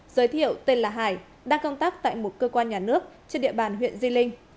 giới thiệu tên là hải đang công tác tại một cơ quan nhà nước trên địa bàn huyện di linh